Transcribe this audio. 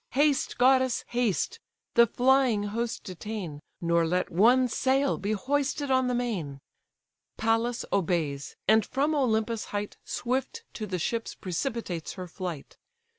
Haste, goddess, haste! the flying host detain, Nor let one sail be hoisted on the main." Pallas obeys, and from Olympus' height Swift to the ships precipitates her flight.